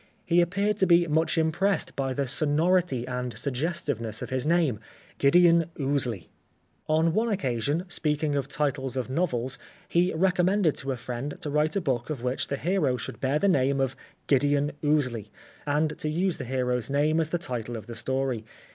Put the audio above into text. He ap peared to be much impressed by the sonority and suggestiveness of his name : Gideon Ouseley. On one occasion speaking of titles of novels he recommended to a friend to write a book of which the hero should bear the name of " Gideon Ouseley," and to use the hero's name as the title of the story.